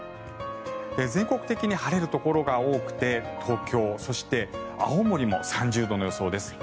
全国的に晴れるところが多くて東京、そして青森も３０度の予想です。